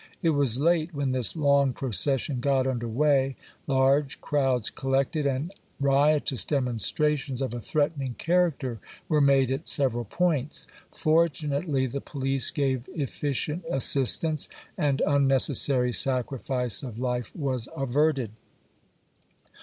It was late when this long procession got under way ; large crowds collected, and riotous demonstrations of a threatening char acter were made at several points. Fortunately, the police gave efficient assistance, and unnecessary sacrifice of life was averted.